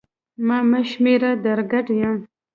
ما مه شمېره در ګډ یم